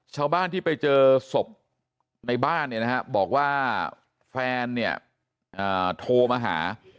ชาวบ้านที่ไปเจอศพในบ้านบอกว่าแฟนเนี่ยโทรมาหา